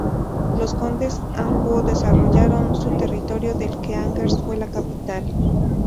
Los condes de Anjou desarrollaron su territorio del que Angers fue la capital.